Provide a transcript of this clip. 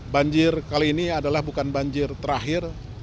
banjir kali ini adalah bukan banjir terakhir